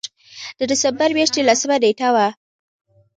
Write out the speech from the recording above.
د دسمبر مياشتې لسمه نېټه وه